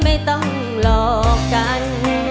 ไม่ต้องหลอกกัน